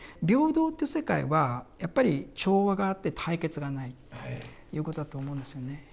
平等という世界はやっぱり調和があって対決がないということだと思うんですよね。